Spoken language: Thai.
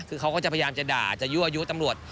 คือเขาก็จะพยายามจะด่าจะยั่วยุตำรวจ